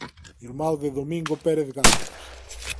Irmán de Domingo Pérez Gándaras.